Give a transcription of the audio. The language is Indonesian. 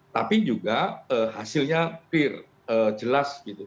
tapi juga hasilnya jelas